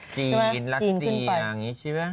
จีนลักษีอย่างนี้ใช่ไหม